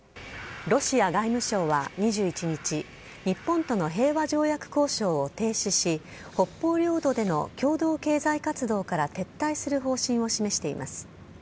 ロシア外務省は２１日、日本との平和条約交渉を停止し、北方領土での共同経済活動から撤退する方針を示しています。